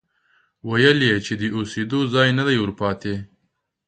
ويل يې چې د اوسېدو ځای نه دی ورپاتې،